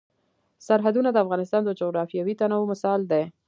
سرحدونه د افغانستان د جغرافیوي تنوع مثال دی.